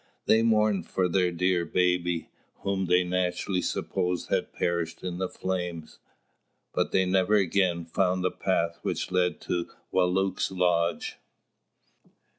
They mourned for their dear baby, whom they naturally supposed had perished in the flames; but they never again found the path which led to Wālūt's lodge.